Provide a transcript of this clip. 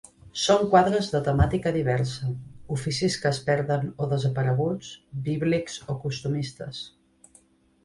Són quadres de temàtica diversa: oficis que es perden o desapareguts, bíblics o costumistes.